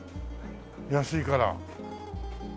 安いから！